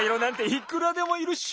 いくらでもいるっしょ！